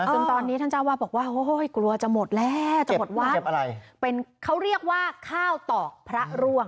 ซึ่งตอนนี้ท่านจาวาบอกว่าเฮ้ยเกลัวจะหมดแลเป็นเค้าเรียกว่าข้าวตอกพระร่วง